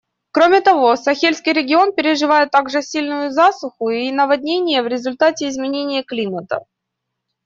Кроме того, Сахельский регион переживает также сильные засуху и наводнения в результате изменения климата.